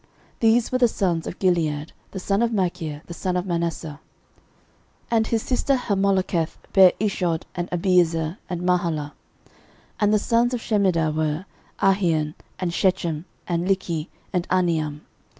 These were the sons of Gilead, the son of Machir, the son of Manasseh. 13:007:018 And his sister Hammoleketh bare Ishod, and Abiezer, and Mahalah. 13:007:019 And the sons of Shemidah were, Ahian, and Shechem, and Likhi, and Aniam.